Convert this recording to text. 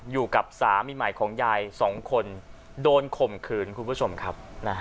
อยู่กับสามีใหม่ของยายสองคนโดนข่มขืนคุณผู้ชมครับ